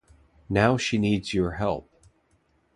Now she needs your help.